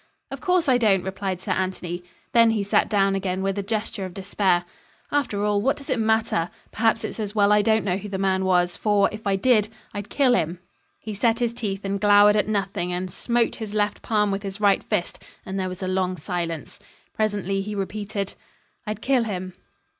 "Of course I don't," replied Sir Anthony. Then he sat down again with a gesture of despair. "After all, what does it matter? Perhaps it's as well I don't know who the man was, for if I did, I'd kill him!" He set his teeth and glowered at nothing and smote his left palm with his right fist, and there was a long silence. Presently he repeated: "I'd kill him!"